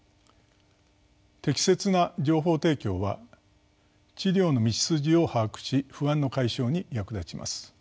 適切な情報提供は治療の道筋を把握し不安の解消に役立ちます。